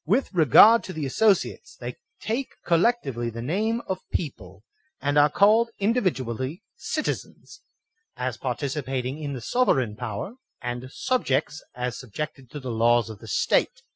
With re gard to the asssociates, they take collectively the name of PEOPLE, and are called individually citizens, as par ticipating in the sovereign power, and subjects, as sub* THE SOVEREIGN 15 jected to the laws of the State.